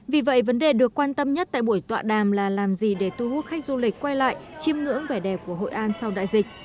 vì vậy vấn đề được quan tâm nhất tại buổi tọa đàm là làm gì để thu hút khách du lịch quay lại chiêm ngưỡng vẻ đẹp của hội an sau đại dịch